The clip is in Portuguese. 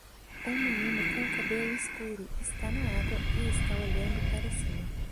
Um menino com cabelo escuro está na água e está olhando para cima.